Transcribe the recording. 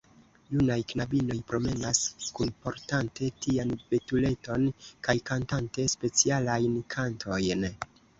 Junaj knabinoj promenas, kunportante tian betuleton kaj kantante specialajn kantojn.